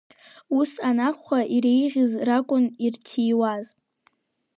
Ус анакәха, иреиӷьыз ракәын ирҭиуаз…